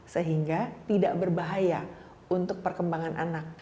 sehingga tidak berbahaya untuk perkembangan anak